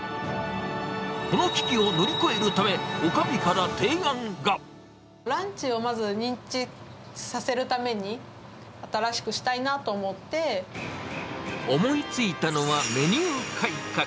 この危機を乗り越えるため、ランチをまず認知させるため思いついたのは、メニュー改革。